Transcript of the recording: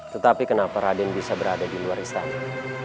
tetapi kenapa raden bisa berada di luar istana